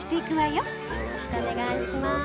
よろしくお願いします。